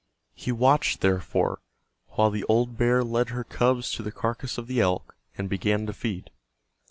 He watched, therefore, while the old bear led her cubs to the carcass of the elk, and began to feed.